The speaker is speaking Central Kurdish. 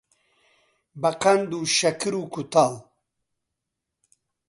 بەقەند و شەکر و کووتاڵ